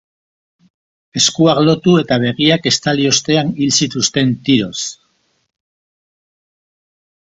Eskuak lotu eta begiak estali ostean hil zituzten, tiroz.